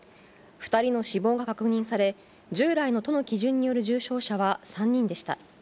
２人の死亡が確認され、従来の都の基準による重症者は３人でした。